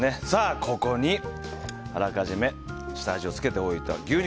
ここにあらかじめ下味をつけておいた牛肉。